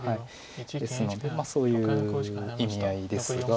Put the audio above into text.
ですのでそういう意味合いですが。